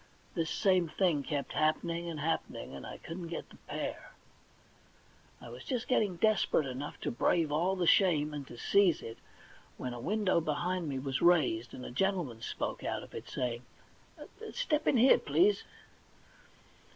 This same thing kept happening and happening, and I couldn't get the pear. I was just getting desperate enough to brave all the shame, and to seize it, when a window behind me was raised, and a gentleman spoke out of it, saying :* Step in here, please.'